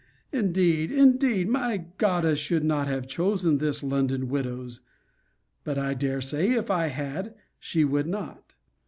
Indeed, indeed, my goddess should not have chosen this London widow's! But I dare say, if I had, she would not.